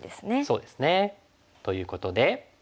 そうですね。ということで。